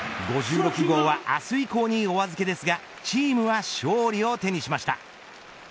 ５６号は明日以降にお預けですがチームは勝利を手にしました。